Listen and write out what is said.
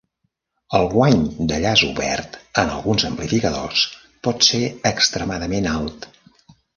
El guany de llaç obert, en alguns amplificadors, pot ser extremadament alt.